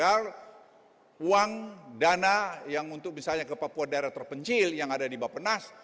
kalau uang dana yang untuk misalnya ke papua daerah terpencil yang ada di bapenas